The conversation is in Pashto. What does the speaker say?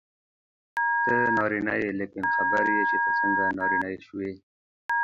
ته نارینه یې لیکن خبر یې چې ته څنګه نارینه شوې.